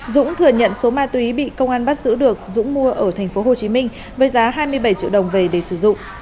dũng thừa nhận số ma túy bị công an bắt giữ được dũng mua ở tp hcm với giá hai mươi bảy triệu đồng về để sử dụng